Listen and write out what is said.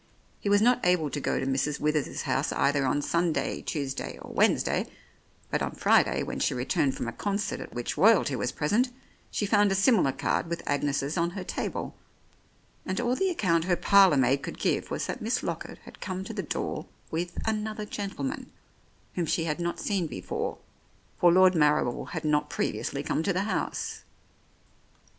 He was not able to go to Mrs. Withers's house either 104 The Oriolists on Sunday, Tuesday or Wednesday, but on Friday when she returned from a concert at which Royalty was present, she found a similar card with Agnes's on her table, and all the account her parlour maid could give was that Miss Lockett had come to the door with "another gentleman" whom she had not seen before, for Lord Marrible had not previously come to the house.